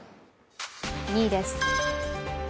２位です。